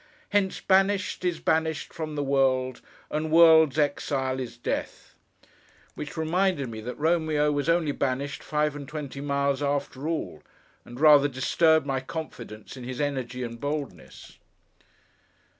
Hence banished is banished from the world, And world's exile is death— which reminded me that Romeo was only banished five and twenty miles after all, and rather disturbed my confidence in his energy and boldness.